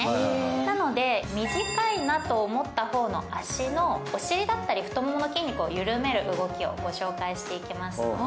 なので、短いなと思った方の脚のお尻だったり太ももの筋肉を緩める動きを御紹介してきます。